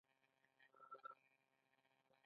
لکه چې بیا کوم توری بدلوي که څنګه؟